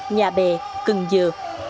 nhà bè cần dừa